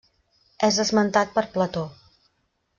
És esmentat per Plató.